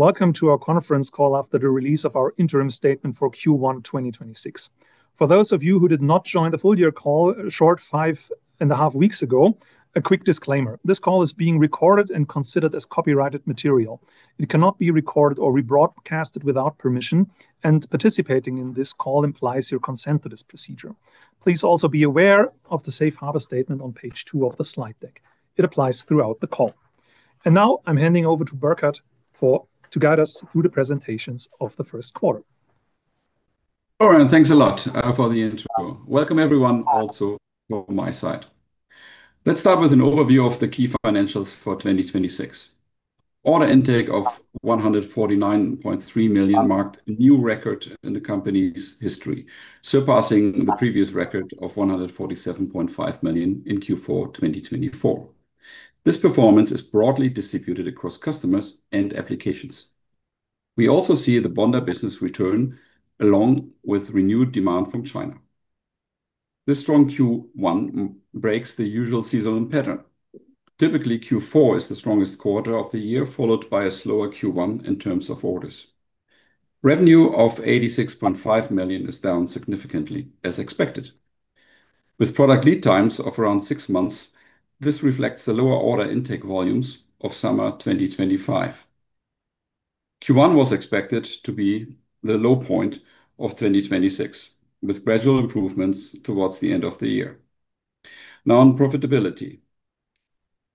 Welcome to our conference call after the release of our interim statement for Q1 2026. For those of you who did not join the full-year call a short five and a half weeks ago, a quick disclaimer. This call is being recorded and considered copyrighted material. It cannot be recorded or rebroadcast without permission, and participating in this call implies your consent to this procedure. Please also be aware of the safe harbor statement on page two of the slide deck. It applies throughout the call. Now I'm handing over to Burkhardt to guide us through the presentations of the first quarter. Florian, thanks a lot for the intro. Welcome, everyone, also from my side. Let's start with an overview of the key financials for 2026. Order intake of 149.3 million marked a new record in the company's history, surpassing the previous record of 147.5 million in Q4 2024. This performance is broadly distributed across customers and applications. We also see the bonder business return, along with renewed demand from China. This strong Q1 breaks the usual seasonal pattern. Typically, Q4 is the strongest quarter of the year, followed by a slower Q1 in terms of orders. Revenue of 86.5 million is down significantly as expected. With product lead times of around six months, this reflects the lower order intake volumes of summer 2025. Q1 was expected to be the low point of 2026, with gradual improvements towards the end of the year. Now on profitability.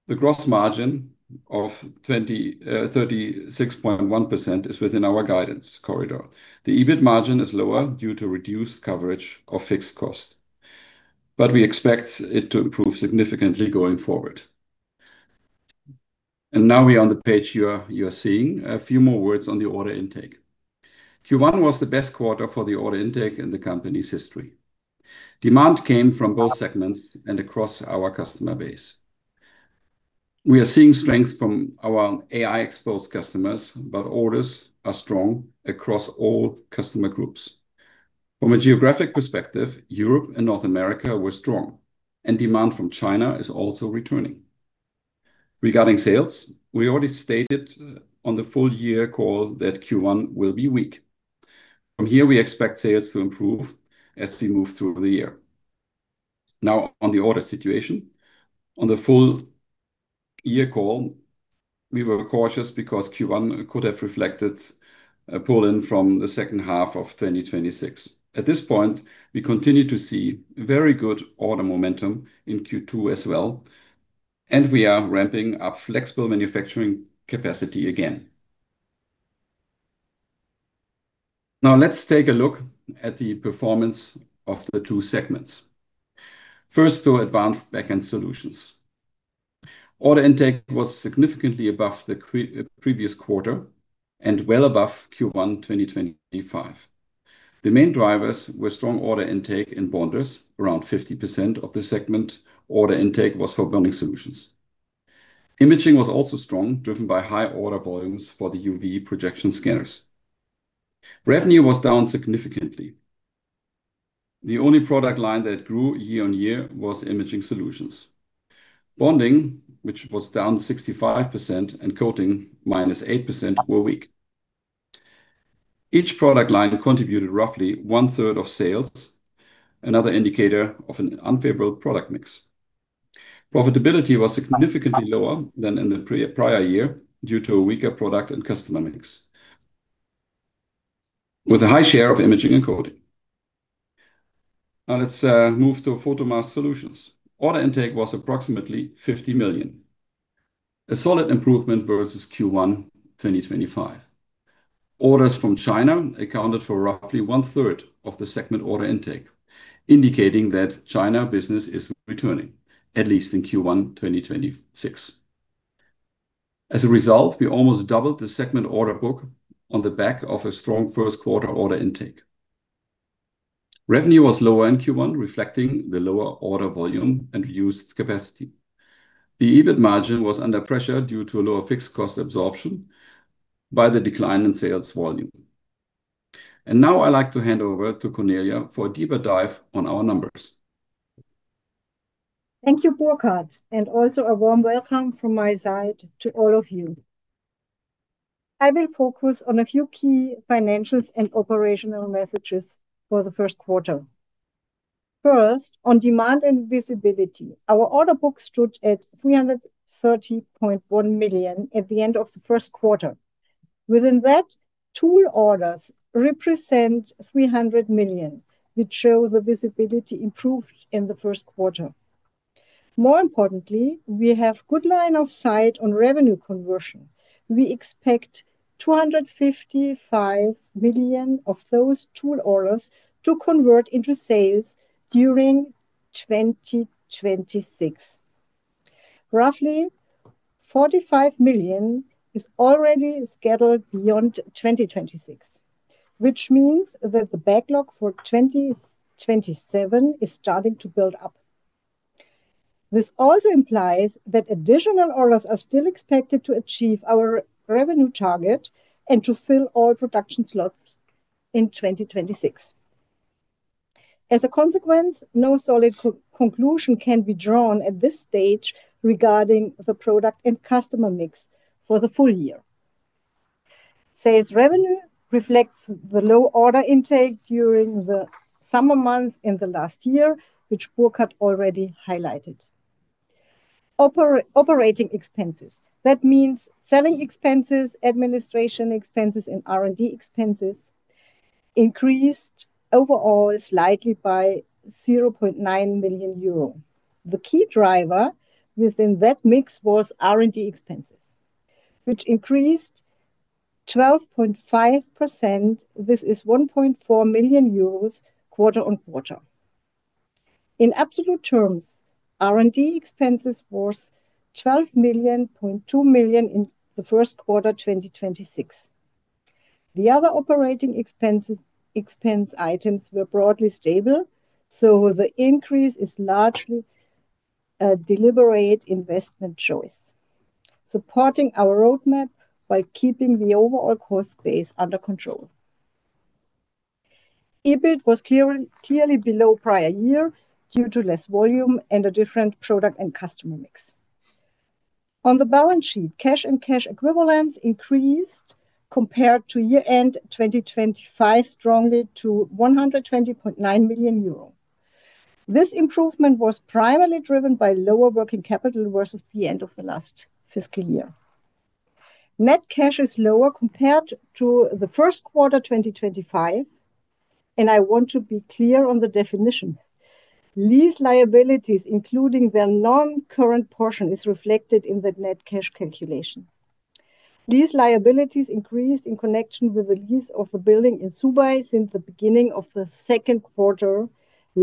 The gross margin of 36.1% is within our guidance corridor. The EBIT margin is lower due to reduced coverage of fixed cost, but we expect it to improve significantly going forward. Now we are on the page you are seeing, a few more words on the order intake. Q1 was the best quarter for the order intake in the company's history. Demand came from both segments and across our customer base. We are seeing strength from our AI-exposed customers, but orders are strong across all customer groups. From a geographic perspective, Europe and North America were strong, and demand from China is also returning. Regarding sales, we already stated on the full year call that Q1 will be weak. From here, we expect sales to improve as we move through the year. On the order situation, on the full year call, we were cautious because Q1 could have reflected a pull-in from the second half of 2026. At this point, we continue to see very good order momentum in Q2 as well, and we are ramping up flexible manufacturing capacity again. Let's take a look at the performance of the two segments. First, to Advanced Backend Solutions. Order intake was significantly above the previous quarter and well above Q1 2025. The main drivers were strong order intake and bonders. Around 50% of the segment order intake was for bonding solutions. Imaging was also strong, driven by high order volumes for the UV projection scanners. Revenue was down significantly. The only product line that grew year-on-year was Imaging Solutions. Bonding, which was down 65%, and coating, minus 8%, were weak. Each product line contributed roughly one-third of sales, another indicator of an unfavorable product mix. Profitability was significantly lower than in the prior year due to a weaker product and customer mix, with a high share of imaging and coating. Now let's move to Photomask Solutions. Order intake was approximately 50 million. A solid improvement versus Q1 2025. Orders from China accounted for roughly one-third of the segment order intake, indicating that China business is returning, at least in Q1 2026. As a result, we almost doubled the segment order book on the back of a strong first-quarter order intake. Revenue was lower in Q1, reflecting the lower order volume and reduced capacity. The EBIT margin was under pressure due to a lower fixed cost absorption by the decline in sales volume. Now I'd like to hand over to Cornelia for a deeper dive on our numbers. Thank you, Burkhardt. Also, a warm welcome from my side to all of you. I will focus on a few key financial and operational messages for the first quarter. First, on demand and visibility. Our order book stood at 330.1 million at the end of the first quarter. Within that, tool orders represent 300 million, which shows the visibility improved in the first quarter. More importantly, we have a good line of sight on revenue conversion. We expect 255 million of those tool orders to convert into sales during 2026. Roughly 45 million is already scheduled beyond 2026, which means that the backlog for 2027 is starting to build up. This also implies that additional orders are still expected to achieve our revenue target and to fill all production slots in 2026. As a consequence, no solid co-conclusion can be drawn at this stage regarding the product and customer mix for the full year. Sales revenue reflects the low order intake during the summer months in the last year, which Burkhardt already highlighted. Operating expenses. That means selling expenses, administration expenses, and R&D expenses increased overall slightly by 0.9 million euro. The key driver within that mix was R&D expenses, which increased 12.5%. This is EUR 1.4 million quarter-on-quarter. In absolute terms, R&D expenses were 12.2 million in the first quarter of 2026. The other operating expense items were broadly stable. The increase is largely a deliberate investment choice, supporting our roadmap by keeping the overall cost base under control. EBIT was clearly below the prior year due to less volume and a different product and customer mix. On the balance sheet, cash and cash equivalents increased compared to year-end 2025 strongly to 120.9 million euro. This improvement was primarily driven by lower working capital versus the end of the last fiscal year. Net cash is lower compared to the first quarter 2025. I want to be clear on the definition. Lease liabilities, including their non-current portion, is reflected in the net cash calculation. These liabilities increased in connection with the lease of the building in Zürich since the beginning of the second quarter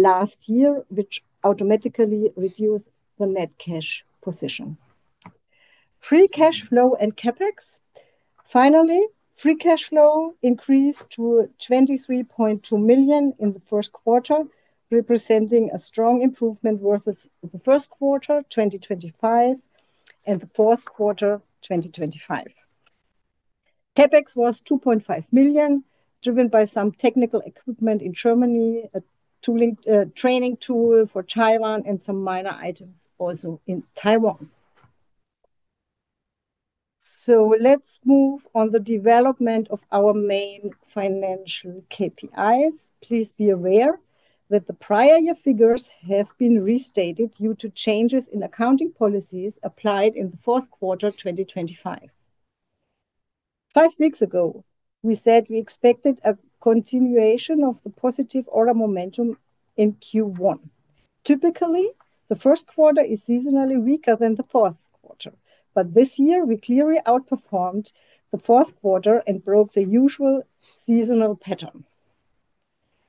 last year, which automatically reduced the net cash position. Free cash flow and CapEx. Finally, free cash flow increased to 23.2 million in the first quarter, representing a strong improvement versus the first quarter 2025 and the fourth quarter 2025. CapEx was 2.5 million, driven by some technical equipment in Germany, a tooling training tool for Taiwan and some minor items also in Taiwan. Let's move on the development of our main financial KPIs. Please be aware that the prior year figures have been restated due to changes in accounting policies applied in the fourth quarter 2025. Five weeks ago, we said we expected a continuation of the positive order momentum in Q1. Typically, the first quarter is seasonally weaker than the fourth quarter. This year we clearly outperformed the fourth quarter and broke the usual seasonal pattern.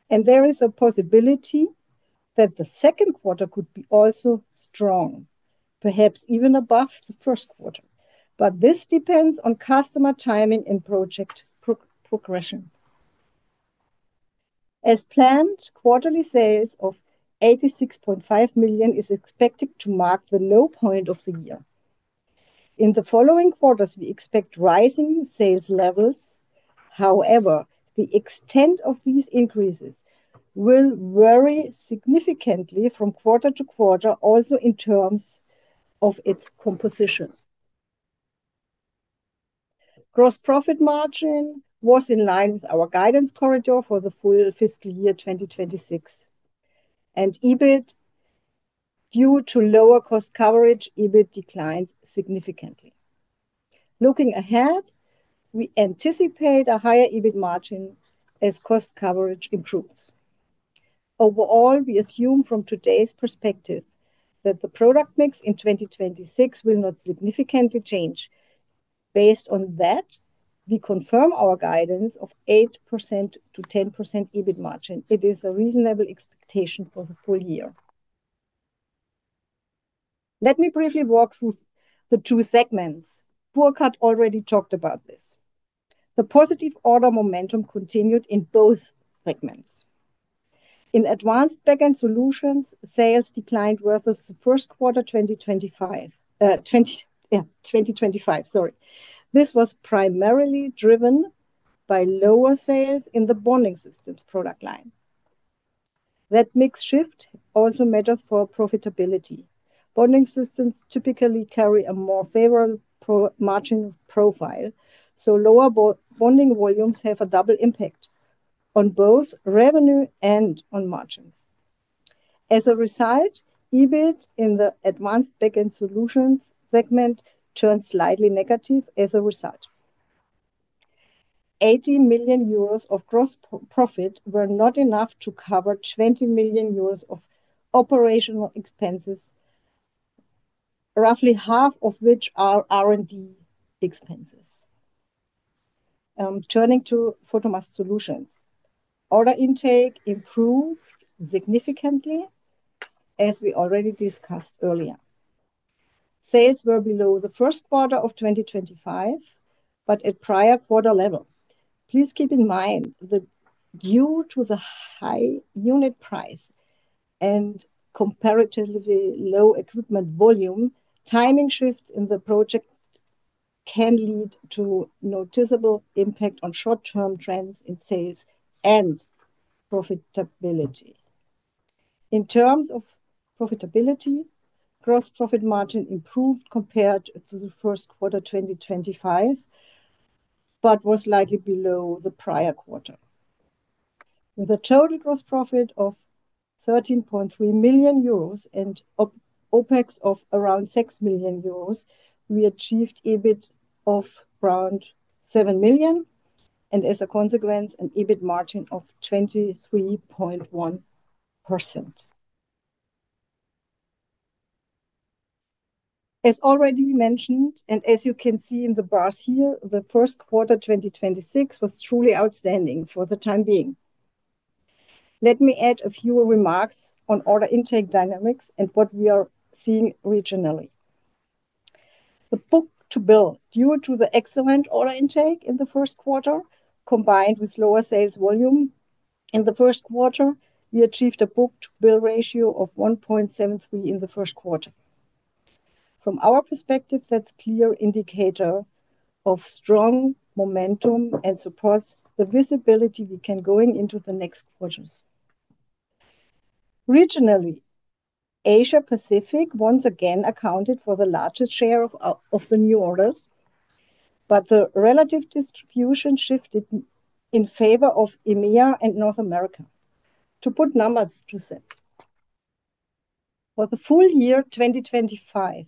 There is a possibility that the second quarter could be also strong, perhaps even above the first quarter. This depends on customer timing and project progression. As planned, quarterly sales of 86.5 million is expected to mark the low point of the year. In the following quarters, we expect rising sales levels. However, the extent of these increases will vary significantly from quarter to quarter, also in terms of its composition. Gross profit margin was in line with our guidance corridor for the full fiscal year 2026. EBIT, due to lower cost coverage, EBIT declined significantly. Looking ahead, we anticipate a higher EBIT margin as cost coverage improves. Overall, we assume from today's perspective that the product mix in 2026 will not significantly change. Based on that, we confirm our guidance of 8%-10% EBIT margin. It is a reasonable expectation for the full year. Let me briefly walk through the two segments. Burkhardt already talked about this. The positive order momentum continued in both segments. In Advanced Backend Solutions, sales declined versus the first quarter 2025. 2025. This was primarily driven by lower sales in the bonding systems product line. That mix shift also matters for profitability. Bonding systems typically carry a more favorable profit margin profile, so lower bonding volumes have a double impact on both revenue and on margins. As a result, EBIT in the Advanced Backend Solutions segment turned slightly negative as a result. 80 million euros of gross profit were not enough to cover 20 million euros of operating expenses, roughly half of which are R&D expenses. Turning to Photomask Solutions. Order intake improved significantly, as we already discussed earlier. Sales were below the first quarter of 2025, but at the prior quarter level. Please keep in mind that due to the high unit price and comparatively low equipment volume, timing shifts in the project can lead to a noticeable impact on short-term trends in sales and profitability. In terms of profitability, gross profit margin improved compared to the first quarter of 2025, but was likely below the prior quarter. With a total gross profit of 13.3 million euros and OpEx of around 6 million euros, we achieved EBIT of around 7 million, and as a consequence, an EBIT margin of 23.1%. As already mentioned, and as you can see in the bars here, the first quarter of 2026 was truly outstanding for the time being. Let me add a few remarks on order intake dynamics and what we are seeing regionally. The book-to-bill. Due to the excellent order intake in the first quarter, combined with lower sales volume in the first quarter, we achieved a book-to-bill ratio of 1.73 in the first quarter. From our perspective, that's a clear indicator of strong momentum and supports the visibility we can go into the next quarters. Regionally, Asia Pacific once again accounted for the largest share of the new orders, but the relative distribution shifted in favor of EMEA and North America. To put numbers to that. For the full year 2025,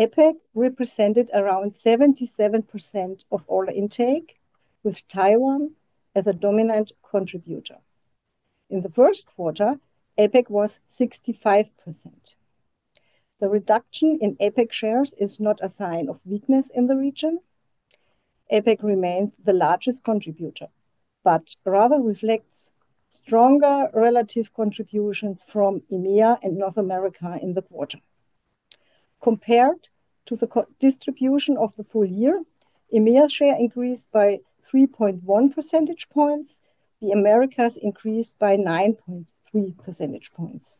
APAC represented around 77% of order intake, with Taiwan as a dominant contributor. In the first quarter, APAC was 65%. The reduction in APAC shares is not a sign of weakness in the region; APAC remains the largest contributor, but rather reflects stronger relative contributions from EMEA and North America in the quarter. Compared to the co- distribution of the full year, EMEA share increased by 3.1 percentage points. The Americas increased by 9.3 percentage points.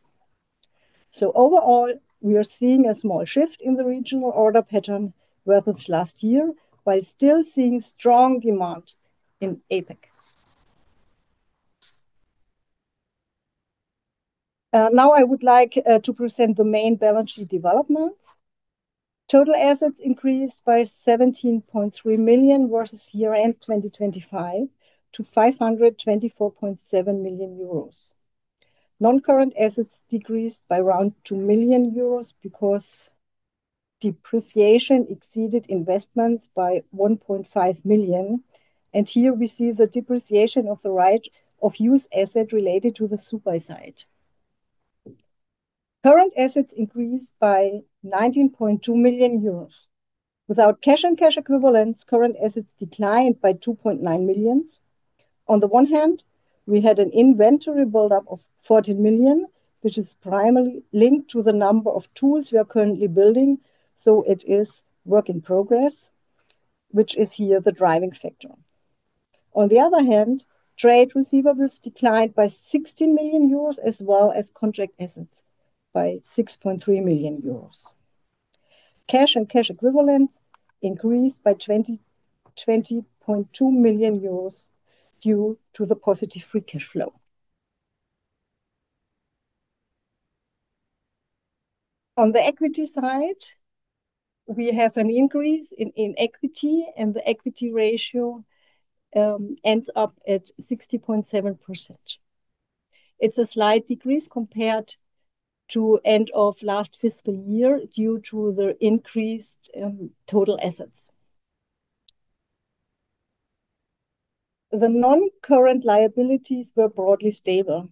Overall, we are seeing a small shift in the regional order pattern versus last year, while still seeing strong demand in APAC. Now I would like to present the main balance sheet developments. Total assets increased by 17.3 million versus year-end 2025 to 224.7 million euros. Non-current assets decreased by around 2 million euros because depreciation exceeded investments by 1.5 million, and here we see the depreciation of the right-of-use asset related to the SÜSS site. Current assets increased by 19.2 million euros. Without cash and cash equivalents, current assets declined by 2.9 million. On the one hand, we had an inventory build-up of 14 million, which is primarily linked to the number of tools we are currently building, so it is work in progress, which is here the driving factor. Trade receivables declined by 16 million euros, as well as contract assets by 6.3 million euros. Cash and cash equivalents increased by 20.2 million euros due to the positive free cash flow. On the equity side, we have an increase in equity, and the equity ratio ends up at 60.7%. It's a slight decrease compared to end of last fiscal year due to the increased total assets. The non-current liabilities were broadly stable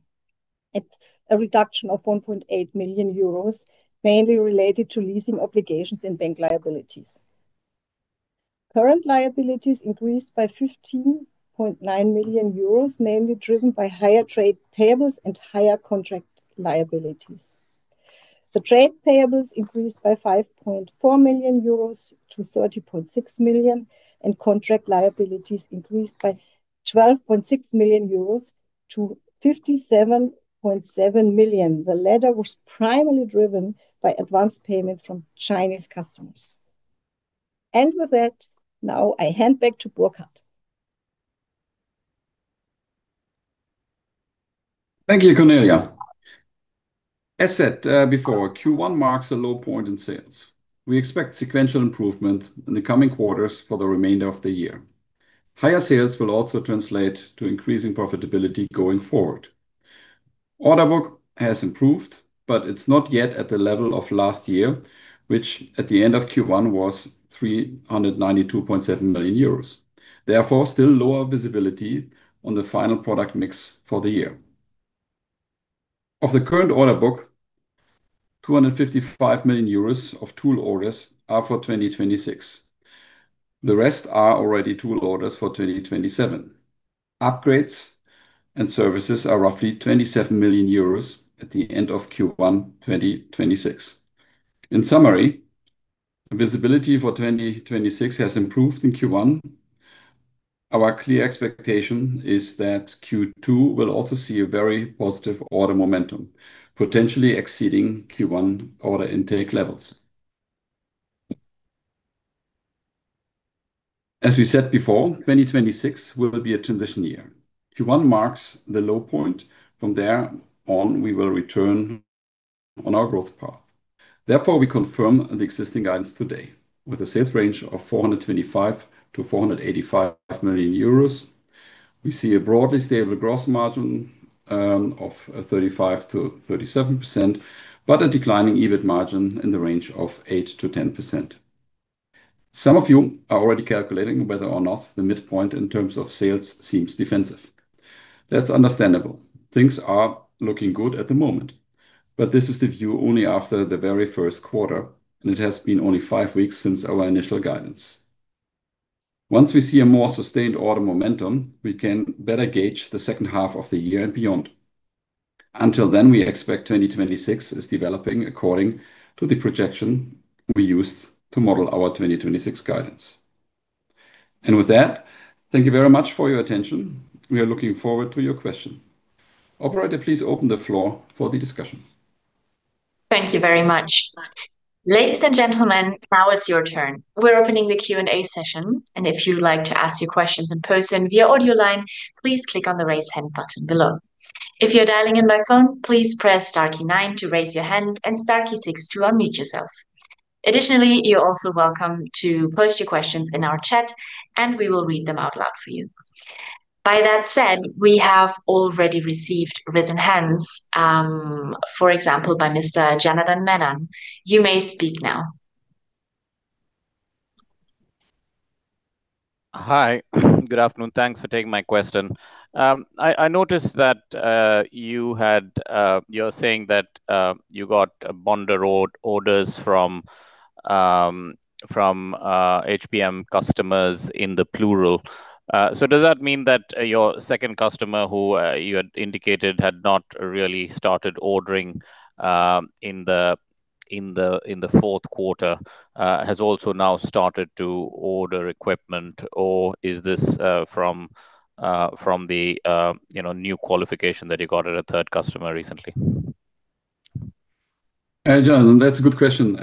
at a reduction of 1.8 million euros, mainly related to leasing obligations and bank liabilities. Current liabilities increased by 15.9 million euros, mainly driven by higher trade payables and higher contract liabilities. The trade payables increased by 5.4 million euros to 30.6 million, and contract liabilities increased by 12.6 million-57.7 million euros. The latter was primarily driven by advanced payments from Chinese customers. With that, now I hand back to Burkhardt. Thank you, Cornelia. As said before, Q1 marks a low point in sales. We expect sequential improvement in the coming quarters for the remainder of the year. Higher sales will also translate to increasing profitability going forward. The order book has improved; it's not yet at the level of last year, which at the end of Q1 was 392.7 million euros. Still lower visibility on the final product mix for the year. Of the current order book, 255 million euros of tool orders are for 2026. The rest are already tool orders for 2027. Upgrades and services are roughly 27 million euros at the end of Q1 2026. Visibility for 2026 has improved in Q1. Our clear expectation is that Q2 will also see a very positive order momentum, potentially exceeding Q1 order intake levels. As we said before, 2026 will be a transition year. Q1 marks the low point. From there on, we will return on our growth path. We confirm the existing guidance today, with a sales range of 425 million-485 million euros. We see a broadly stable gross margin of 35%-37%, but a declining EBIT margin in the range of 8%-10%. Some of you are already calculating whether or not the midpoint in terms of sales seems defensive. That's understandable. Things are looking good at the moment, but this is the view only after the very first quarter, and it has been only five weeks since our initial guidance. Once we see a more sustained order momentum, we can better gauge the second half of the year and beyond. Until then, we expect 2026 is developing according to the projection we used to model our 2026 guidance. With that, thank you very much for your attention. We are looking forward to your question. Operator, please open the floor for the discussion. Thank you very much. Ladies and gentlemen, now it's your turn. We're opening the Q&A session, and if you'd like to ask your questions in person via audio line, please click on the raise hand button below. If you're dialing in by phone, please press star key nine to raise your hand and star key six to unmute yourself. Additionally, you're also welcome to post your questions in our chat, and we will read them out loud for you. By that said, we have already received raised hands, for example, by Mr. Janardan Menon. You may speak now. Hi. Good afternoon. Thanks for taking my question. I noticed that you're saying that you got bonder orders from HBM customers in the plural. Does that mean that your second customer who you had indicated had not really started ordering in the fourth quarter, has also now started to order equipment? Or is this from the, you know, new qualification that you got at a third customer recently? Janardan, that's a good question.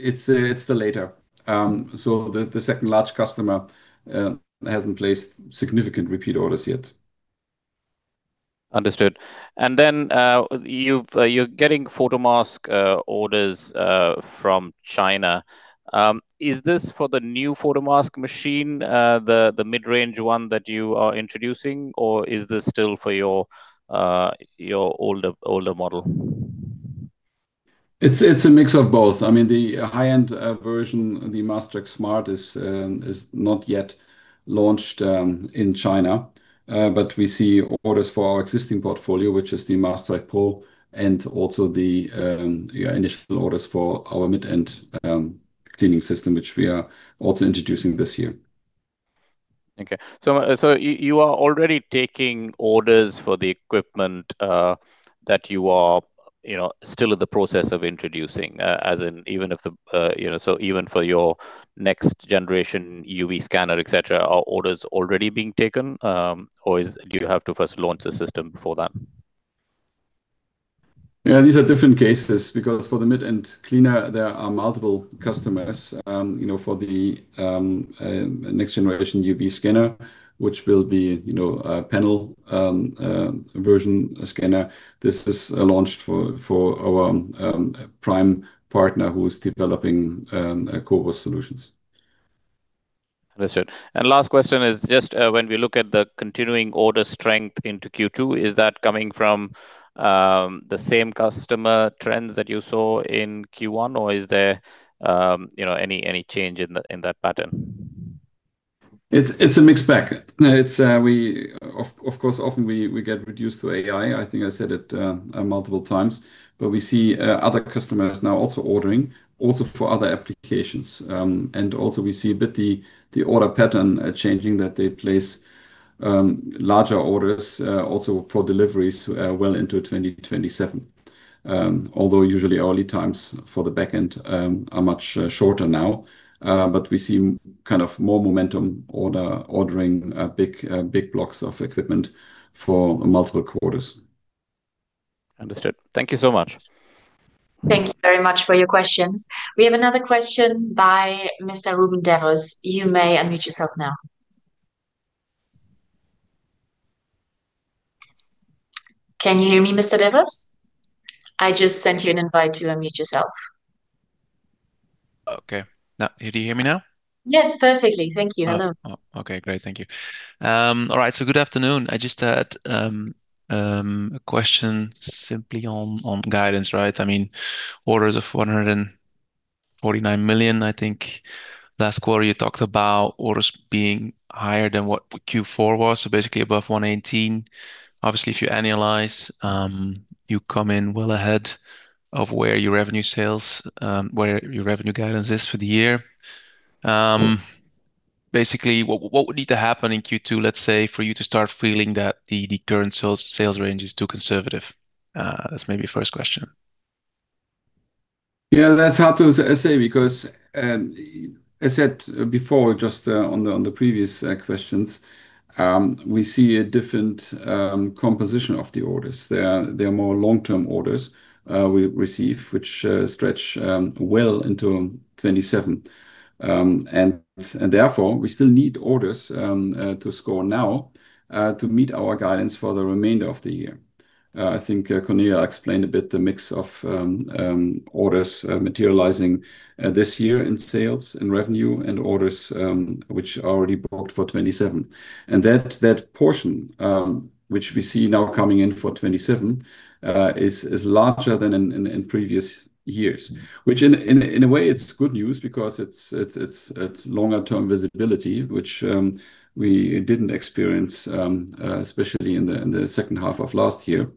It's the latter. The second large customer hasn't placed significant repeat orders yet. Understood. You're getting photo mask orders from China. Is this for the new photo mask machine, the mid-range one that you are introducing or is this still for your older model? It's a mix of both. I mean, the high-end version, the MaskTrack Smart, is not yet launched in China. But we see orders for our existing portfolio, which is the MaskTrack Pro and also the, yeah, initial orders for our mid-end cleaning system, which we are also introducing this year. Okay. You are already taking orders for the equipment, that you are, you know, still in the process of introducing, as in even if the, you know, even for your next generation UV scanner, et cetera, are orders already being taken, or do you have to first launch the system before that? Yeah, these are different cases because for the mid-end cleaner, there are multiple customers. You know, for the next generation UV scanner, which will be, you know, a panel version scanner. This is launched for our prime partner, who is developing CoWoS solutions. Understood. Last question is just, when we look at the continuing order strength into Q2, is that coming from the same customer trends that you saw in Q1, or is there, you know, any change in that pattern? It's a mixed bag. No, it's, of course, often we get reduced to AI. I think I said it multiple times. We see other customers now also ordering also for other applications. Also we see a bit the order pattern changing, that they place larger orders also for deliveries well into 2027. Although usually early times for the back end are much shorter now. We see kind of more momentum ordering big blocks of equipment for multiple quarters. Understood. Thank you so much. Thank you very much for your questions. We have another question by Mr. Ruben Devos. You may unmute yourself now. Can you hear me, Mr. Devos? I just sent you an invite to unmute yourself. Okay. Do you hear me now? Yes, perfectly. Thank you. Hello. Okay, great. Thank you. All right. Good afternoon. I just had a question, simply on guidance, right? I mean, orders of 149 million, I think. Last quarter, you talked about orders being higher than what Q4 was, basically above 118. Obviously, if you annualize, you come in well ahead of where your revenue guidance is for the year. Basically, what would need to happen in Q2, let's say, for you to start feeling that the current sales range is too conservative? That's maybe the first question. That's hard to say because, as said before, just from the previous questions, we see a different composition of the orders. They are more long-term orders we receive, which stretch well into 2027. Therefore, we still need orders to score now to meet our guidance for the remainder of the year. I think Cornelia explained a bit about the mix of orders materializing this year in sales and revenue, and orders which are already booked for 2027. That portion which we see now coming in for 2027 is larger than in previous years. In a way, it's good news because it's longer-term visibility, which we didn't experience, especially in the second half of last year.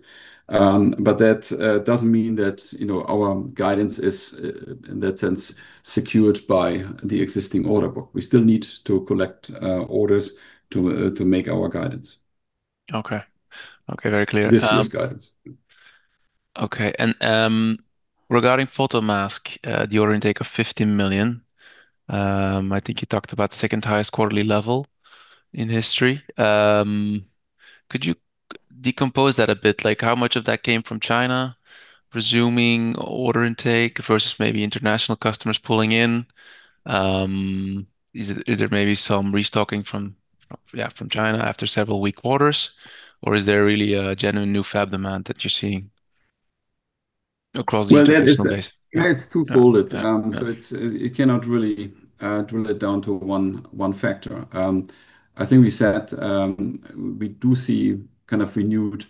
That doesn't mean that, you know, our guidance is in that sense secured by the existing order book. We still need to collect orders to make our guidance. Okay. Okay, very clear. This year's guidance. Okay. Regarding the photomask, the order intake of 50 million, I think you talked about the second-highest quarterly level in history. Could you decompose that a bit? Like, how much of that came from China resuming order intake versus maybe international customers pulling in? Is there maybe some restocking from China after several weak quarters, or is there really a genuine new fab demand that you're seeing across the international base? Well, yeah, it's two-folded. Yeah. Yeah. It's, you cannot really drill it down to one factor. I think we said, we do see kind of renewed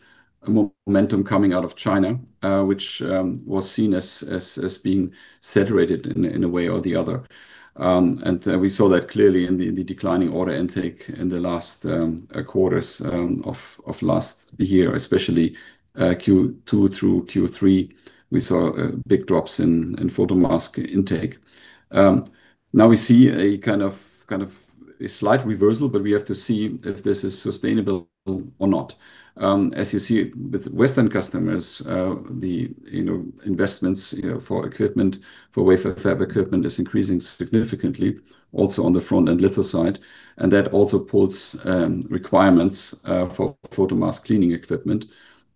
momentum coming out of China, which was seen as being saturated in a way or another. We saw that clearly in the declining order intake in the last quarters of last year, especially Q2 through Q3, where we saw big drops in photo mask intake. Now we see a kind of a slight reversal, but we have to see if this is sustainable or not. As you see with Western customers, you know, investments, you know, for equipment, for wafer fab equipment is increasing significantly also on the front and litho side, and that also pulls requirements for photomask cleaning equipment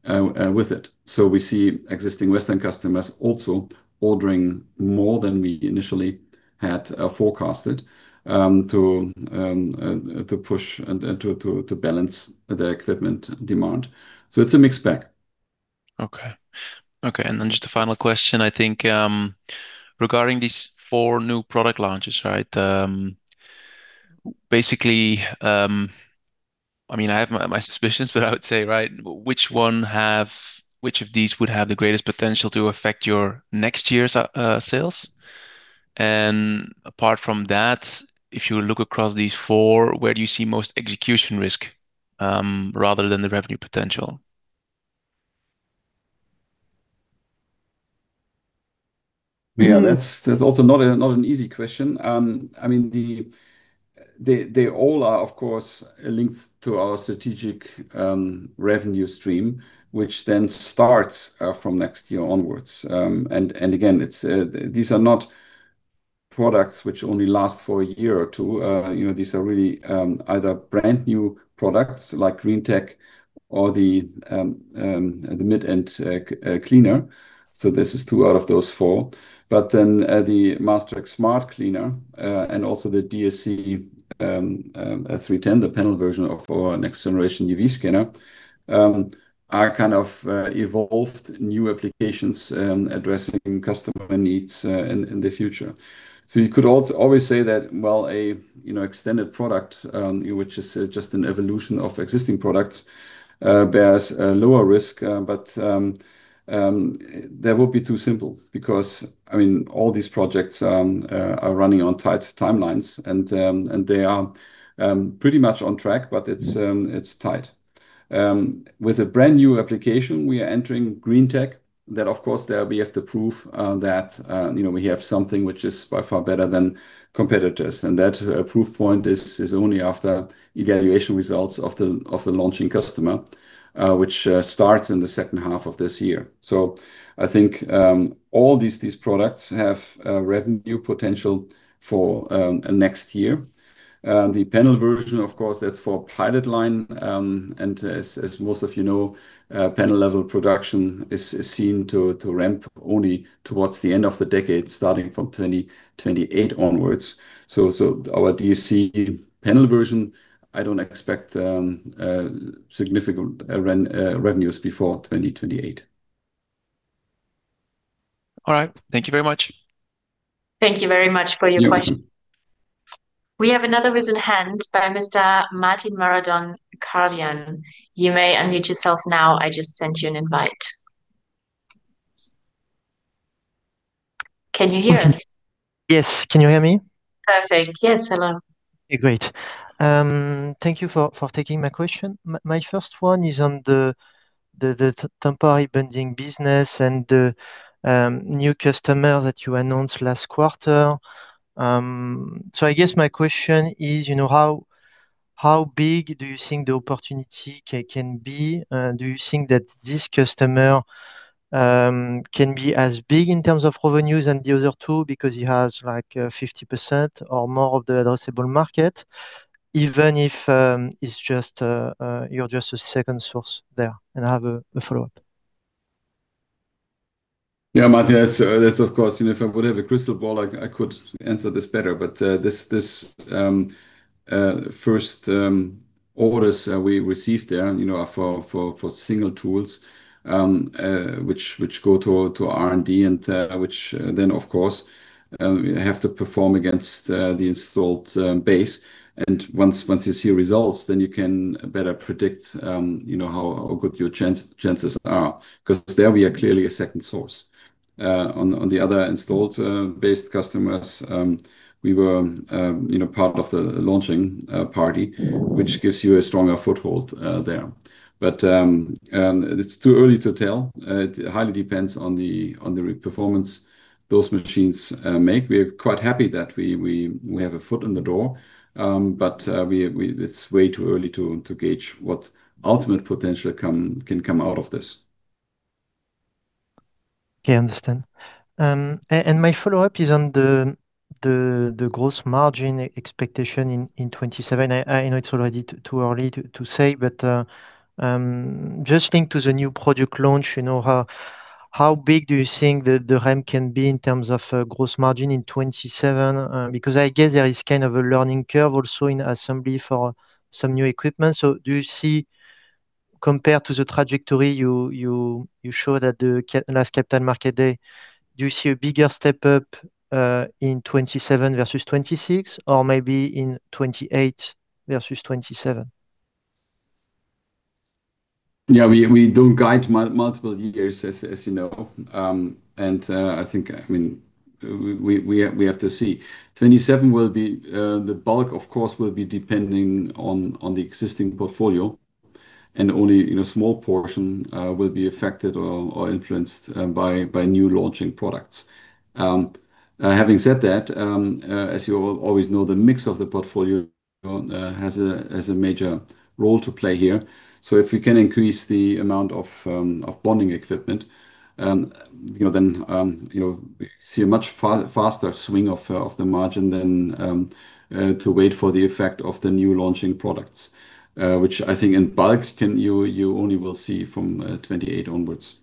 with it. We see existing Western customers also ordering more than we initially had forecasted to push and to balance the equipment demand. It's a mixed bag. Okay. Okay, just a final question, I think, regarding these four new product launches, right? Basically, I mean, I have my suspicions, but I would say, right, which of these would have the greatest potential to affect your next year's sales? Apart from that, if you look across these four, where do you see most execution risk, rather than the revenue potential? That's, that's also not a, not an easy question. I mean, they all are, of course, linked to our strategic revenue stream, which starts from next year onwards. Again, it's these are not products that only last for a year or two. You know, these are really either brand-new products like GreenTech or the mid-end cleaner. This is two out of those four. The MaskTrack Smart Cleaner and also the DSC 310, the panel version of our next generation UV scanner, are kind of evolved new applications addressing customer needs in the future. You could always say that, well, a, you know, extended product, which is just an evolution of existing products, bears a lower risk. That would be too simple because, I mean, all these projects are running on tight timelines and they are pretty much on track, but it's tight. With a brand-new application, we are entering GreenTech, where, of course there we have to prove that, you know, we have something which is by far better than competitors. That proof point is only after the evaluation results of the launching customer, which starts in the second half of this year. I think all these products have revenue potential for next year. The panel version, of course, that's for pilot line. As most of you know, panel-level production is seen to ramp only towards the end of the decade, starting from 2028 onwards. Our DSC panel version, I don't expect significant revenues before 2028. All right. Thank you very much. Thank you very much for your question. We have another raise in hand by Mr. Martin Marandon-Carlhian. You may unmute yourself now. I just sent you an invite. Can you hear us? Yes. Can you hear me? Perfect. Yes. Hello. Great. Thank you for taking my question. My first one is on the temporary bonding business and the new customer that you announced last quarter. I guess my question is, you know, how big do you think the opportunity can be? Do you think that this customer can be as big in terms of revenues than the other two because he has, like, 50% or more of the addressable market, even if it's just, you're just a second source there? I have a follow-up. Yeah, Martin, that's of course. You know, if I had a crystal ball, I could answer this better. The first orders we received there, you know, are for single tools which go to R&D and which then, of course, have to perform against the installed base. Once you see results, then you can better predict, you know, how good your chances are. Cause there we are clearly a second source. On the other hand, based on installed customers, we were, you know, part of the launching party, which gives you a stronger foothold there. It's too early to tell. It highly depends on the performance those machines make. We're quite happy that we have a foot in the door. It's way too early to gauge what ultimate potential can come out of this. Okay. Understand. My follow-up is on the gross margin expectation in 2027. I know it's already too early to say, but just linked to the new product launch, you know, how big do you think the ramp can be in terms of gross margin in 2027? Because I guess there is kind of a learning curve also in assembly for some new equipment. Do you see, compared to the trajectory you showed at the last Capital Market Day, do you see a bigger step up in 2027 versus 2026, or maybe in 2028 versus 2027? We don't guide multiple years, as you know. I think, I mean, we have to see. 2027 will be, the bulk of the course will be, depending on the existing portfolio, and only, you know, a small portion will be affected or influenced by new launching products. Having said that, as you always know, the mix of the portfolio has a major role to play here. If we can increase the amount of bonding equipment, you know, then, you know, we see a much faster swing of the margin than to wait for the effect of the new launching products. Which I think in bulk you will only see from 2028 onwards.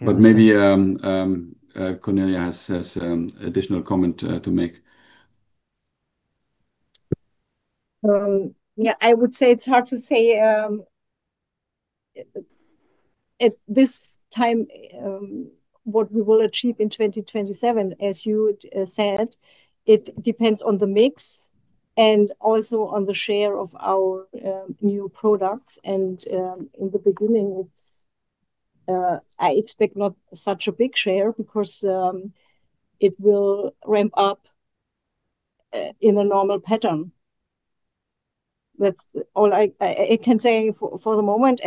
Maybe Cornelia has additional comments to make. I would say it's hard to say at this time what we will achieve in 2027. As you said, it depends on the mix and also on the share of our new products. In the beginning, I expect it not to be such a big share because it will ramp up in a normal pattern. That's all I can say for the moment.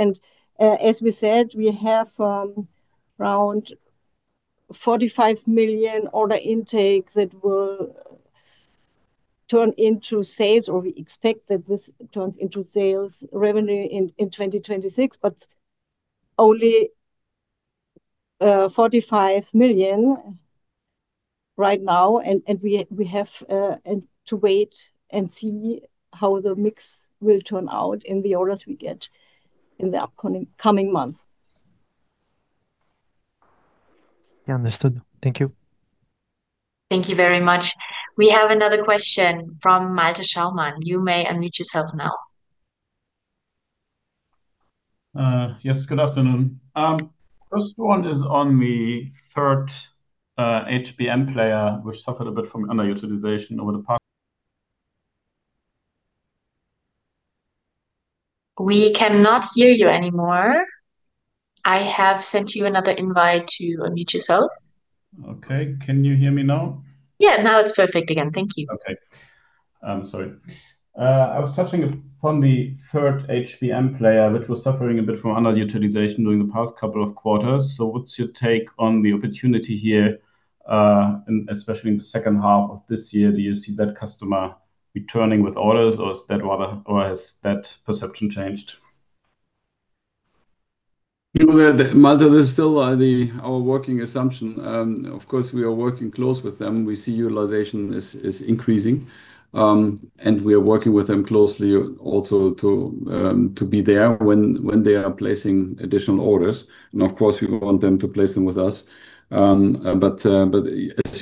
As we said, we have around 45 million order intake that will turn into sales, or we expect that this turns into sales revenue in 2026, but only 45 million right now. We have to wait and see how the mix will turn out in the orders we get in the upcoming month. Yeah. Understood. Thank you. Thank you very much. We have another question from Malte Schaumann. You may unmute yourself now. Yes. Good afternoon. First one is on the third HBM player, which suffered a bit from underutilization over the past- We cannot hear you anymore. I have sent you another invite to unmute yourself. Okay. Can you hear me now? Yeah. Now it's perfect again. Thank you. I'm sorry. I was touching upon the third HBM player, who was suffering a bit from underutilization during the past couple of quarters. What's your take on the opportunity here, and especially in the second half of this year? Do you see that customer returning with orders, or has that perception changed? You know, Malte, there's still our working assumption. Of course, we are working closely with them. We see utilization is increasing. We are working with them closely, also to be there when they are placing additional orders. Of course, we want them to place them with us. As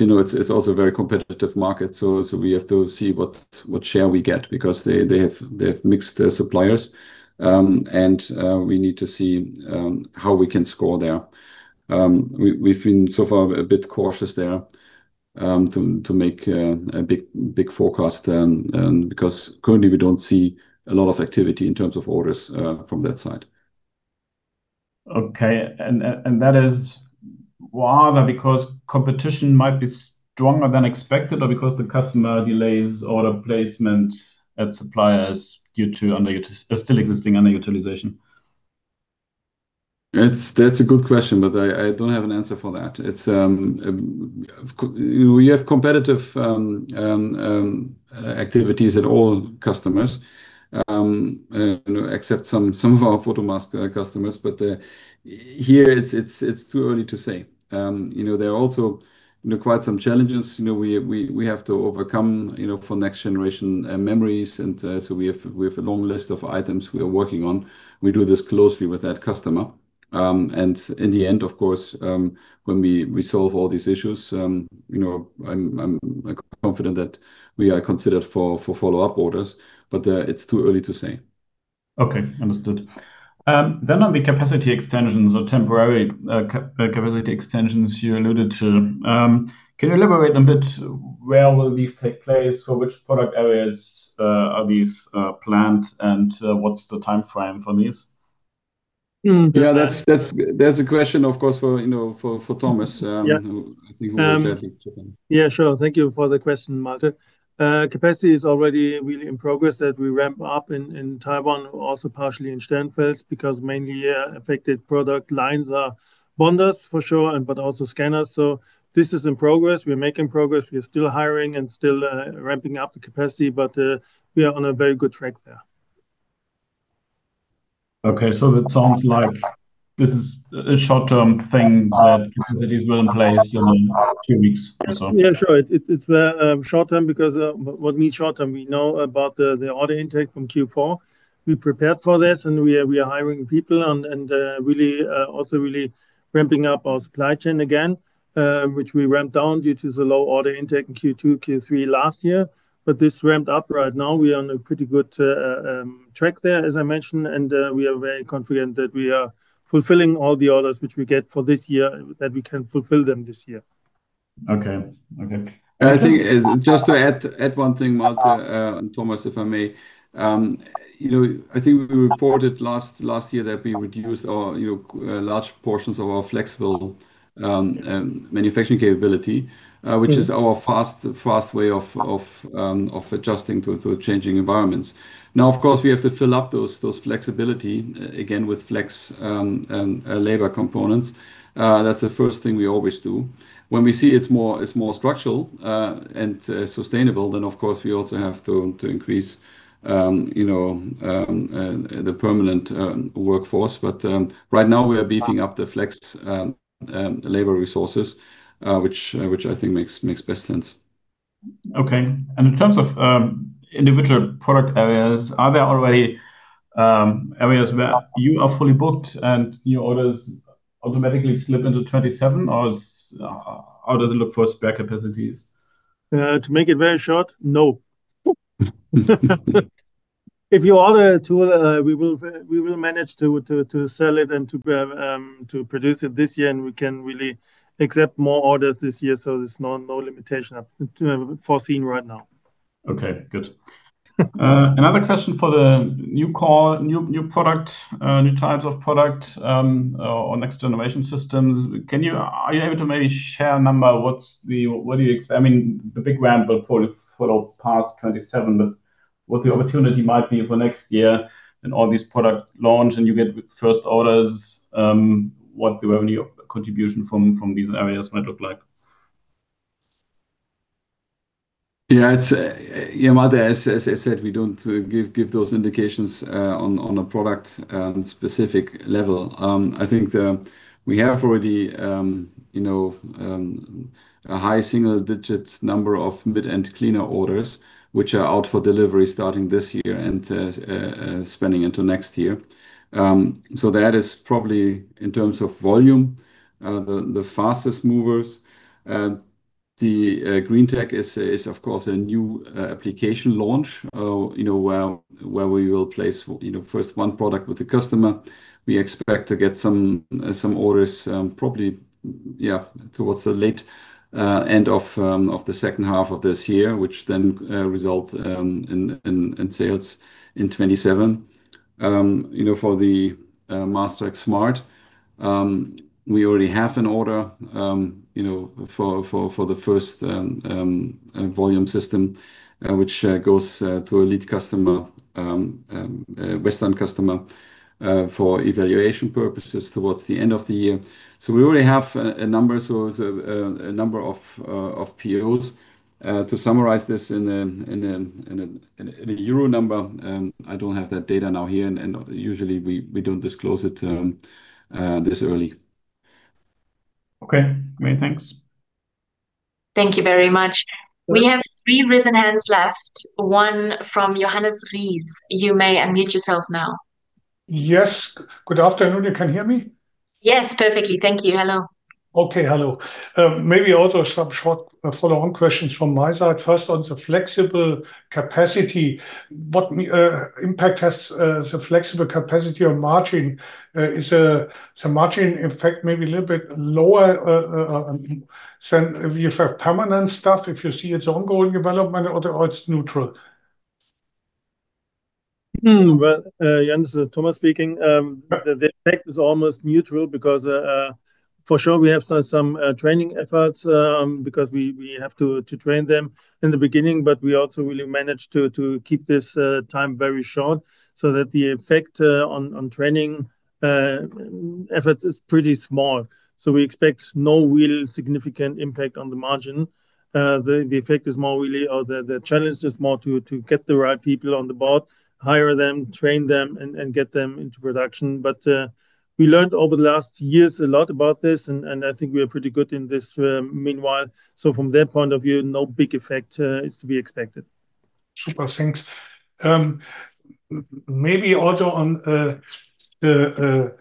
you know, it's also a very competitive market, so we have to see what share we get because they have mixed their suppliers. We need to see how we can score there. We've been so far a bit cautious there to make a big forecast because currently we don't see a lot of activity in terms of orders from that side. Okay. That is rather because competition might be stronger than expected or because the customer delays order placement at suppliers due to still existing underutilization? That's a good question, but I don't have an answer for that. It's we have competitive activities for all customers, you know, except some of our photo mask customers. Here, it's too early to say. You know, there are also, you know, quite some challenges, you know, we have to overcome, you know, for next generation memories. We have a long list of items we are working on. We do this closely with that customer. At the end of the course, when we resolve all these issues, you know, I'm confident that we are considered for follow-up orders, but it's too early to say. Okay. Understood. On the capacity extensions or temporary capacity extensions you alluded to, can you elaborate a bit on where these will take place? For which product areas are these planned, and what's the timeframe for these? Yeah, that's a question of course for, you know, for Thomas. Yeah Who I think will be better for them. Yeah, sure. Thank you for the question, Malte. Capacity is already really in progress that we ramp up in Taiwan, also partially in Sternenfels, because mainly affected product lines are bonders for sure, and but also scanners. This is in progress. We are making progress. We are still hiring and still ramping up the capacity, but we are on a very good track there. Okay. That sounds like this is a short-term thing that capacities will in place in a few weeks or so. Yeah, sure. It's short-term because what needs short-term, we know about the order intake from Q4. We prepared for this, and we are hiring people and really also really ramping up our supply chain again, which we ramped down due to the low order intake in Q2, Q3 last year. This ramped up right now. We are on a pretty good track there, as I mentioned, and we are very confident that we are fulfilling all the orders which we get for this year, that we can fulfill them this year. Okay. Okay. I think just to add one thing, Malte, and Thomas, if I may. You know, I think we reported last year that we reduced our, you know, large portions of our flexible manufacturing capability, which is our fast way of adjusting to changing environments. Of course, we have to fill up those flexibility again with flex labor components. That's the first thing we always do. When we see it's more structural and sustainable, then of course we also have to increase, you know, the permanent workforce. Right now, we are beefing up the flex labor resources, which I think makes best sense. Okay. In terms of individual product areas, are there already areas where you are fully booked and new orders automatically slip into 2027, or how does it look for spare capacities? To make it very short, no. If you order a tool, we will manage to sell it and to produce it this year, and we can really accept more orders this year, so there's no limitation foreseeable right now. Okay. Good. Another question for the new core, new product, new types of product, or next-generation systems. Are you able to maybe share a number? I mean, the big ramp will probably follow past 2027, but what the opportunity might be for next year and all these product launches, and you get first orders, what the revenue contribution from these areas might look like? Yeah, it's, yeah, Malte, as I said, we don't give those indications on a product-specific level. I think we have already, you know, a high single-digit number of mid-end cleaner orders, which are out for delivery starting this year and spanning into next year. That is probably in terms of volume, the fastest movers. The GreenTech is, of course, a new application launch, you know, where we will place, you know, the first one product with the customer. We expect to get some orders, probably, yeah, towards the late end of the second half of this year, which will result in sales in 2027. You know, for the MaskTrack Smart, we already have an order, you know, for the first volume system, which goes to a lead customer, a Western customer, for evaluation purposes towards the end of the year. We already have a number, so it's a number of POs. To summarize this in a EUR number, I don't have that data now here, and usually we don't disclose it this early. Okay. Great. Thanks. Thank you very much. We have three raised hands left, one from Johannes Ries. You may unmute yourself now. Yes. Good afternoon. Can you hear me? Yes, perfectly. Thank you. Hello. Okay. Hello. Maybe also some short follow-up questions from my side. First, on the flexible capacity, what impact has the flexible capacity have on margin? Is the margin impact maybe a little bit lower than if you have permanent stuff, if you see its ongoing development or it's neutral? Well, Johannes, Thomas speaking. The effect is almost neutral because, for sure, we have training efforts, because we have to train them in the beginning, but we also really manage to keep this time very short, so that the effect on training efforts is pretty small. We expect no real significant impact on the margin. The effect is more of the challenge is more to get the right people on the board, hire them, train them, and get them into production. We learned over the last years a lot about this, and I think we are pretty good in this meanwhile. From that point of view, no big effect is to be expected. Super. Thanks. Maybe also on the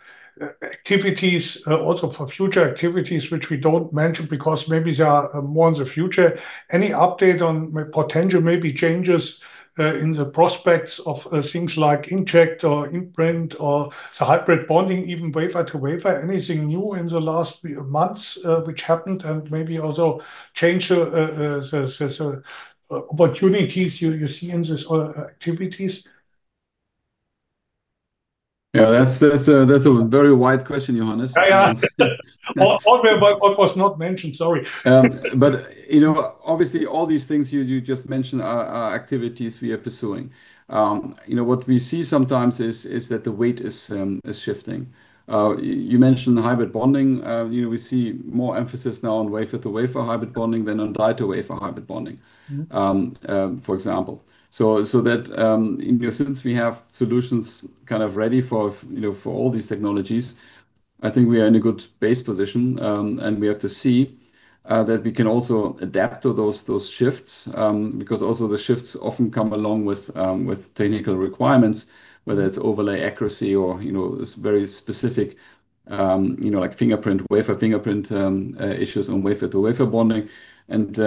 activities, also for future activities which we don't mention because maybe they are more in the future. Any update on potential changes in the prospects of things like inkjet or imprint or the hybrid bonding, even wafer-to-wafer, anything new in the last few months that happened, and maybe also change the opportunities you see in these other activities? Yeah. That's a very wide question, Johannes. Yeah, yeah. All that was not mentioned, sorry. You know, obviously, all these things you just mentioned are activities we are pursuing. You know, what we see sometimes is that the weight is shifting. You mentioned hybrid bonding. You know, we see more emphasis now on wafer-to-wafer hybrid bonding than on die-to-wafer hybrid bonding. For example. In the sense that we have solutions kind of ready for, you know, for all these technologies, I think we are in a good base position. We have to see that we can also adapt to those shifts, because the shifts often come along with technical requirements, whether it's overlay accuracy or, you know, very specific, you know, like fingerprint, wafer fingerprint, issues on wafer-to-wafer bonding, and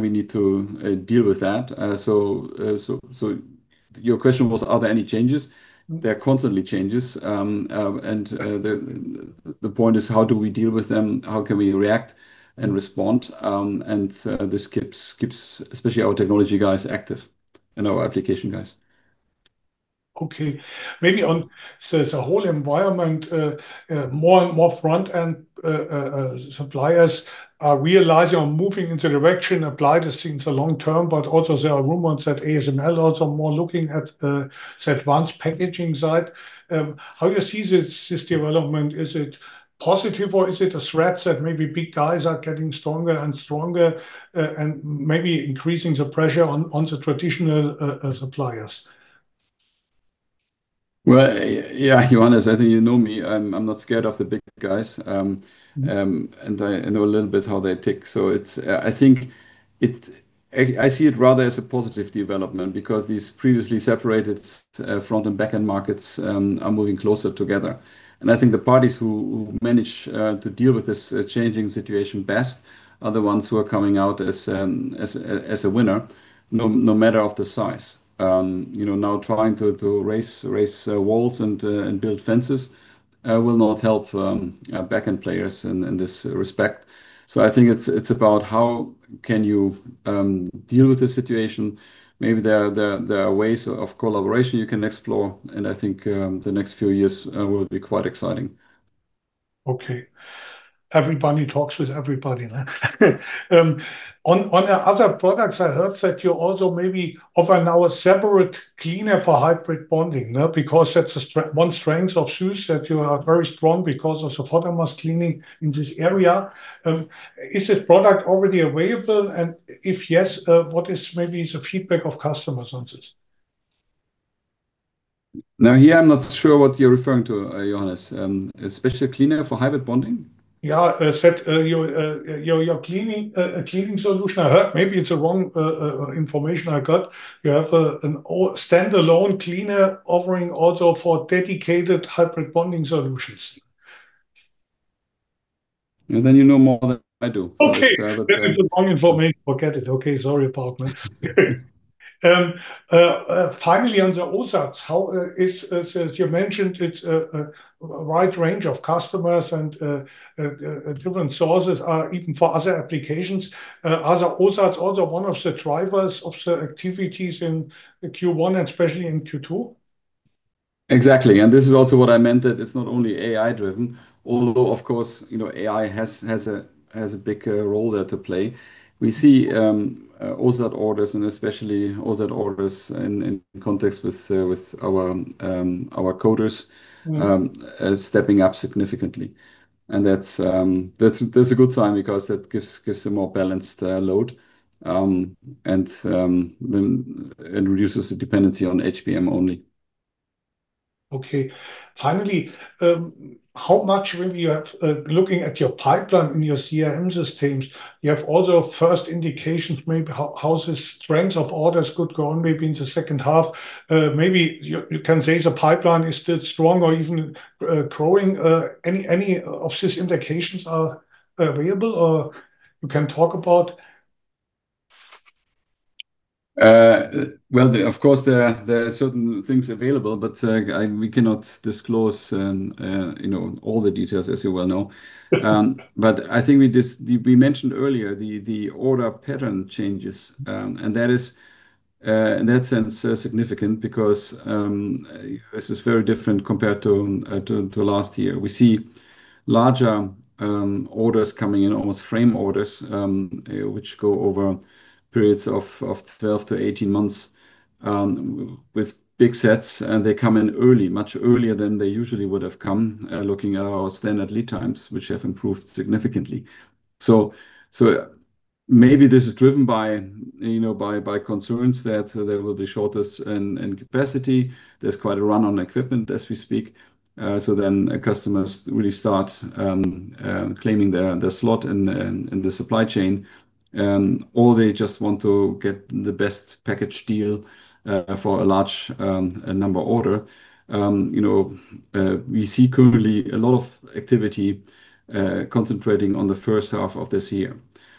we need to deal with that. Your question was are there any changes? There are constant changes. The point is, how do we deal with them? How can we react and respond? This keeps our technology guys active and our application guys. Okay. Maybe in the whole environment, more and more front-end and suppliers are realizing that moving in the direction apply to things long term, but also there are rumors that ASML is also more looking at the advanced packaging side. How do you see this development? Is it positive or is it a threat that maybe big guys are getting stronger and stronger, and maybe increasing the pressure on the traditional suppliers? Well, yeah, Johannes, I think you know me. I'm not scared of the big guys. I know a little bit how they tick. I think I see it rather as a positive development because these previously separated front and back end markets are moving closer together, and I think the parties who manage to deal with this changing situation best are the ones who are coming out as a winners, no matter the size. You know, now trying to raise walls and build fences will not help back-end players in this respect. I think it's about how you deal with the situation. Maybe there are ways of collaboration you can explore, and I think the next few years will be quite exciting. Okay. Everybody talks with everybody, huh? On other products, I heard that you also maybe offer now a separate cleaner for hybrid bonding, huh? Because that's one strength of SÜSS, that you are very strong because of the photomask cleaning in this area. Is the product already available? If yes, what is the feedback of customers on this? Now here, I'm not sure what you're referring to, Johannes. A special cleaner for hybrid bonding? Yeah, that your cleaning solution, I heard, maybe it's wrong information I got. You have a standalone cleaner offering also for dedicated hybrid bonding solutions. You know more than I do. Okay. But, uh- Maybe the wrong information. Forget it. Okay. Sorry about that. Finally, on the OSAT, as you mentioned, it's a wide range of customers and different sources are even for other applications. Are the OSAT also one of the drivers of the activities in Q1 and especially in Q2? Exactly. This is also what I meant, that it's not only AI-driven, although of course, you know, AI has a big role there to play. We see OSAT orders and especially OSAT orders in context with our coaters stepping up significantly. That's a good sign because that gives a more balanced load. Then it reduces the dependency on HBM only. Okay. Finally, how much maybe you have, looking at your pipeline in your CRM systems, you have also first indications maybe how the strength of orders could go on maybe in the second half, maybe you can say the pipeline is still strong or even growing, any of these indications are available, or you can talk about? Well, of course, there are certain things available, but we cannot disclose, you know, all the details, as you well know. I think we mentioned earlier the order pattern changes, and that is, in that sense, significant because this is very different compared to last year. We see larger orders coming in, almost frame orders, which go over periods of 12-18 months, with big sets, and they come in early, much earlier than they usually would have come, looking at our standard lead times, which have improved significantly. Maybe this is driven by, you know, concerns that there will be shortages in capacity. There's quite a run on equipment as we speak. Customers really start claiming their slot in the supply chain, or they just want to get the best package deal for a large number order. You know, we see currently a lot of activity concentrating on the first half of this year.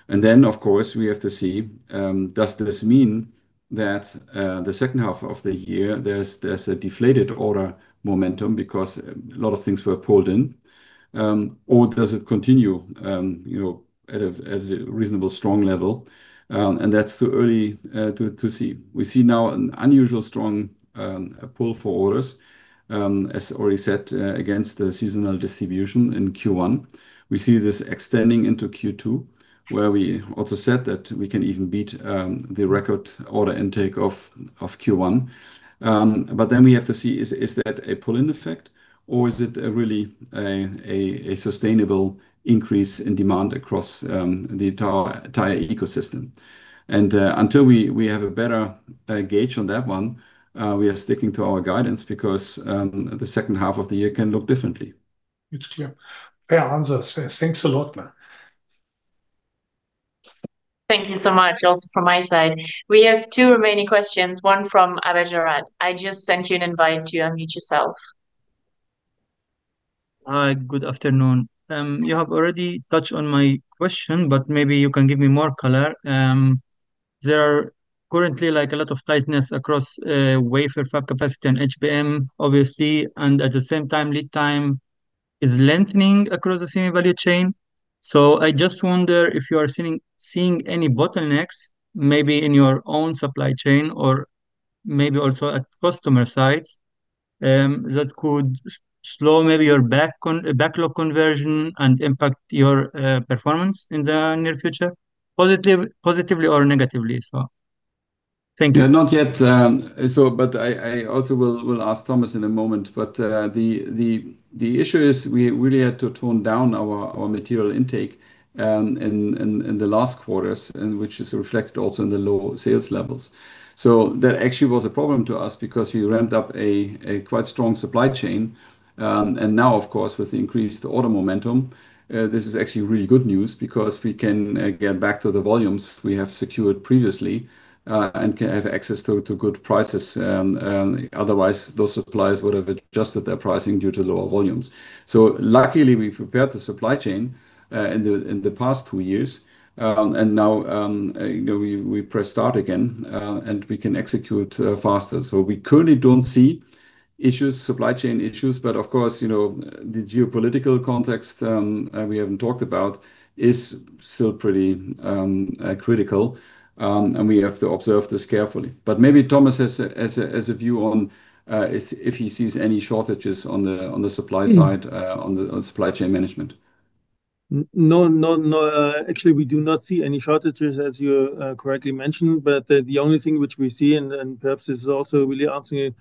Of course, we have to see, does this mean that the second half of the year there's a deflated order momentum because a lot of things were pulled in, or does it continue, you know, at a reasonable strong level? That's too early to see. We see now an unusual strong pull for orders as already said against the seasonal distribution in Q1. We see this extending into Q2, where we also said that we can even beat the record order intake of Q1. We have to see, is that a pull-in effect or is it a really a sustainable increase in demand across the entire ecosystem? Until we have a better gauge on that one, we are sticking to our guidance because the second half of the year can look differently. It's clear. Fair answer. Thanks a lot. Thank you so much, also from my side. We have two remaining questions, one from Abajarat. I just sent you an invite to unmute yourself. Hi, good afternoon. You have already touched on my question; maybe you can give me more color. There is currently a lot of tightness across wafer fab capacity and HBM, obviously, at the same time, lead time is lengthening across the semi value chain. I just wonder if you are seeing any bottlenecks, maybe in your own supply chain or maybe also at customer sites, that could slow down your backlog conversion and impact your performance in the near future, positively or negatively. Thank you. Not yet. But I will also ask Thomas in a moment. The issue is we really had to tone down our material intake in the last quarters and, which is reflected also in the lower sales levels. That actually was a problem for us because we ramped up a quite strong supply chain. Now, of course, with the increased order momentum, this is actually really good news because we can get back to the volumes we have secured previously and can have access to good prices. Otherwise, those suppliers would have adjusted their pricing due to lower volumes. Luckily, we prepared the supply chain in the past two years. Now, you know, we press start again, and we can execute faster. We currently don't see issues, supply chain issues, but of course, you know, the geopolitical context we haven't talked about is still pretty critical. We have to observe this carefully. Maybe Thomas has a view on if he sees any shortages on the supply side of the supply chain management. No. Actually, we do not see any shortages, as you correctly mentioned. The only thing that we see, and perhaps this is also really answering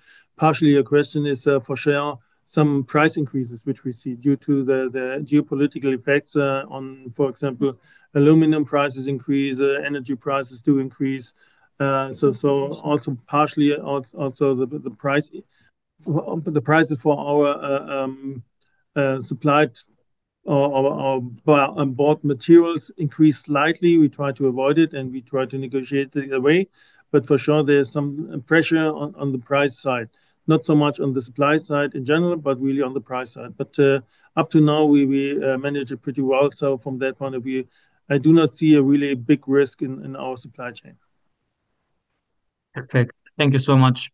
partially your question is for sure some price increases which we see due to the geopolitical effects on, for example, aluminum prices increase, and energy prices do increase. So also partially also, the prices for our supplied or bought materials increased slightly. We try to avoid it, and we try to negotiate it away. For sure, there is some pressure on the price side. Not so much on the supply side in general, but really on the price side. Up to now, we have managed it pretty well. From that point of view, I do not see a really big risk in our supply chain. Perfect. Thank you so much.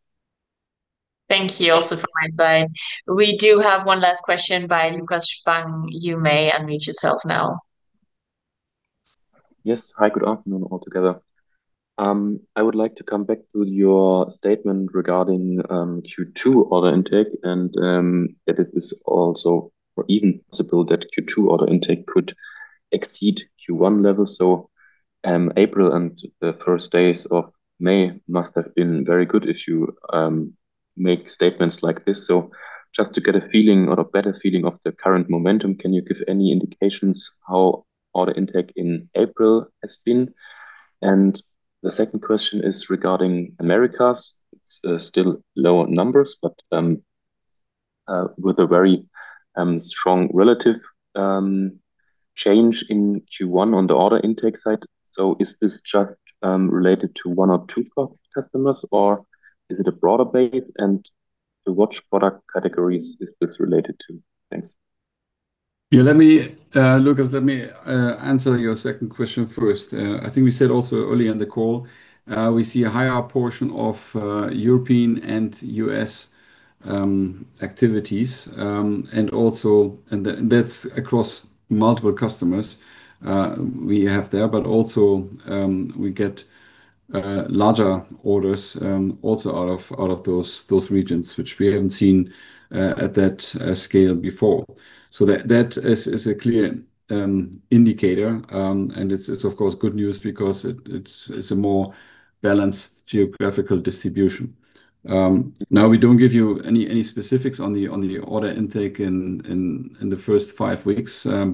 Thank you also from my side. We do have one last question from Lukas Spang. You may unmute yourself now. Yes. Hi, good afternoon, all together. I would like to come back to your statement regarding Q2 order intake and that it is also or even possible that Q2 order intake could exceed Q1 levels. April and the first days of May must have been very good if you make statements like this. Just to get a feeling or a better feeling of the current momentum, can you give any indications of how order intake in April has been? The second question is regarding America. It's still lower numbers, but with a very strong relative change in Q1 on the order intake side. Is this just related to one or two customers, or is it a broader base? To which product categories is this related to? Thanks. Yeah, let me, Lukas, let me answer your second question first. I think we also said early on the call that we see a higher portion of European and U.S. activities. That's across multiple customers we have there. But also, we get larger orders out of those regions, which we haven't seen at that scale before. That is a clear indicator. It's, of course, good news because it's a more balanced geographical distribution. Now we don't give you any specifics on the order intake in the first five weeks. They are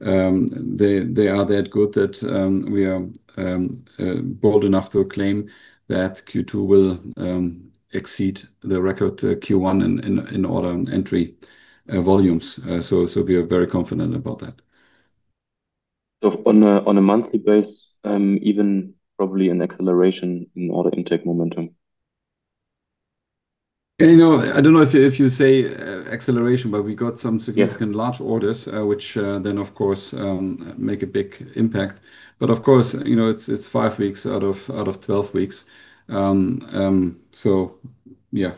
that good that we are bold enough to claim that Q2 will exceed the record Q1 in terms of order and entry volumes. We are very confident about that. On a monthly basis, even probably an acceleration in order intake momentum? You know, I don't know if you say, acceleration, but we got some significant- Yes. Large orders, which of course make a big impact. Of course, you know, it's five weeks out of 12 weeks. Yeah.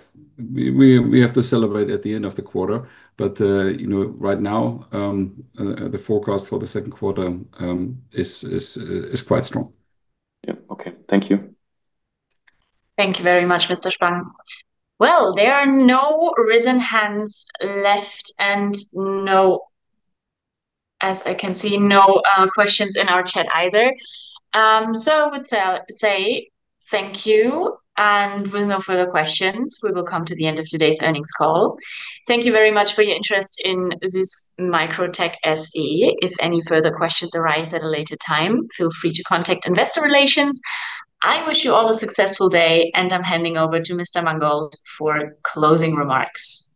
We have to celebrate at the end of the quarter. You know, right now, the forecast for the second quarter is quite strong. Yeah. Okay. Thank you. Thank you very much, Mr. Spang. Well, there are no raised hands left, and no, as I can see, no questions in our chat either. I would say thank you. With no further questions, we will come to the end of today's earnings call. Thank you very much for your interest in SÜSS MicroTec SE. If any further questions arise at a later time, feel free to contact Investor Relations. I wish you all a successful day, and I'm handing over to Mr. Mangold for closing remarks.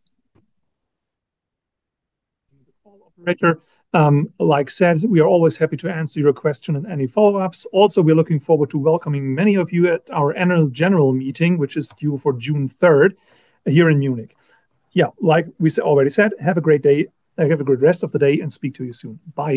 As said, we are always happy to answer your questions and any follow-ups. Also, we're looking forward to welcoming many of you at our annual general meeting, which is due on June 3rd here in Munich. Like we already said, have a great day. Have a good rest of the day and speak to you soon. Bye